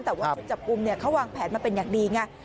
แต่ว่าชุดจับกลุ่มเขาวางแผนมาเป็นอย่างดีไง